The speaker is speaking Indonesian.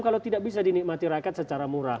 kalau tidak bisa dinikmati rakyat secara murah